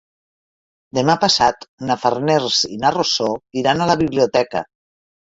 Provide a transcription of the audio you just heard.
Demà passat na Farners i na Rosó iran a la biblioteca.